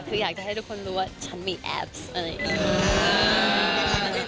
คืออยากจะให้ทุกคนรู้ว่าฉันมีแอปอะไรอย่างนี้